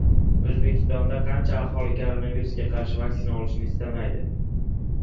O‘zbekistonda qancha aholi koronavirusga qarshi vaksina olishni istamaydi?